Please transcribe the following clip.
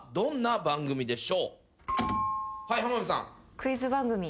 クイズ番組。